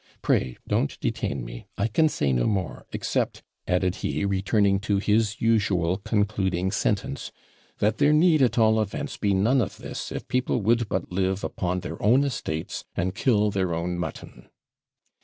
Pray don't detain me I can say no more except,' added he, returning to his usual concluding sentence, 'that there need, at all events, be none of this, if people would but live upon their own estates, and kill their own mutton.'